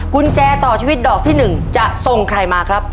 กุญแจต่อชีวิตดอกที่๑จะส่งใครมาครับ